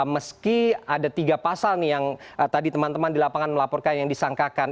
meski ada tiga pasal nih yang tadi teman teman di lapangan melaporkan yang disangkakan